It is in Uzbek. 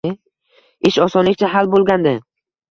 Ish osonlikcha hal bo`lgadi